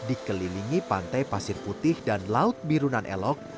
dikelilingi pantai pasir putih dan laut birunan elok